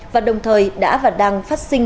và đồng thời đã và đang phát sinh